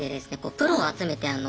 プロを集めてあの。